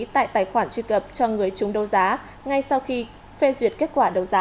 tại tài khoản truy cập cho người chúng đấu giá ngay sau khi phê duyệt kết quả đấu giá